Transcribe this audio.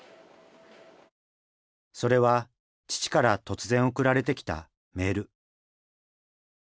それは父から突然送られてきたメール。